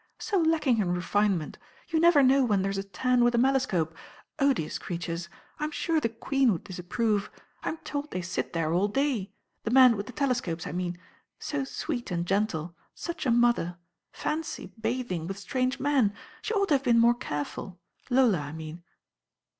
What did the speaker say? "So lacking in refinement. You never know when there's a tan with a melescope. Odious creatures. I'm sure the Queen would disapprove. I'm told they sit there aU day. The men with Ae telescopes, I mean. So sweet and gentle. Such a mother. Fancy bathing with strange men. She ought to have been more careful. Lola, I mean."